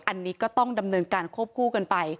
อันนี้ก็ต้องดำเนินการควบคู่กันไป